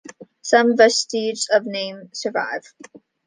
Some vestiges of the name survive.